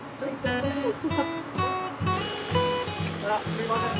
すいません。